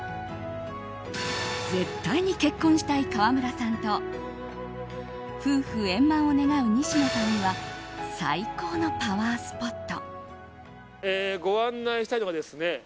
絶対に結婚したい川村さんと夫婦円満を願う西野さんには最高のパワースポット。